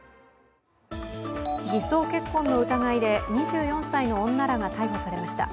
偽装結婚の疑いで２４歳の女らが逮捕されました。